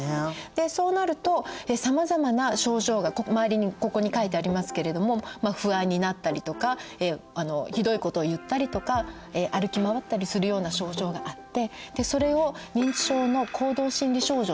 そうなるとさまざまな症状が周りにここに書いてありますけれども不安になったりとかひどいことを言ったりとか歩き回ったりするような症状があってそれを認知症の行動心理症状といいます。